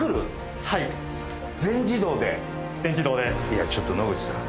いやちょっと野口さん。